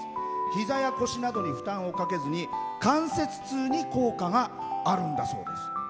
膝や腰などに負担をかけずに関節痛に効果があるんだそうです。